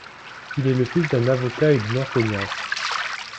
Il est le fils d'un avocat et d'une enseignante.